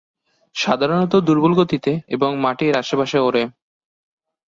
সাধারনত দূর্বল গতিতে এবং মাটির আশেপাশে ওড়ে।